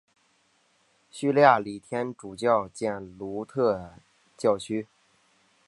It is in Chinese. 叙利亚礼天主教贝鲁特教区。